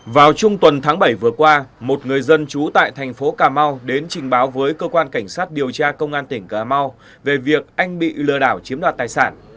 vào trung tuần tháng bảy vừa qua một người dân trú tại thành phố cà mau đến trình báo với cơ quan cảnh sát điều tra công an tỉnh cà mau về việc anh bị lừa đảo chiếm đoạt tài sản